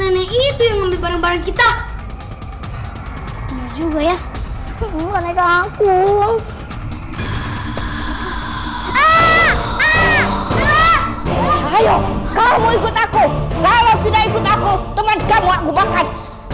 ayo kamu ikut aku kalau tidak ikut aku teman kamu makan